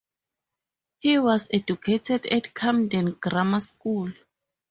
He was educated at Camden Grammar School.